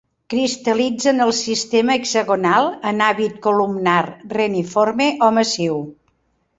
Cristal·litza en el sistema hexagonal en hàbit columnar, reniforme o massiu.